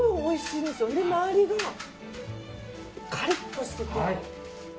それで周りがカリッとしてて。